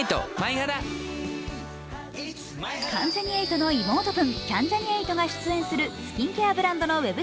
関ジャニ∞の妹分、キャンジャニ∞が出演するスキンケアブランドのウェブ